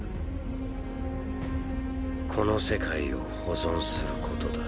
「この世界を保存する」ことだ。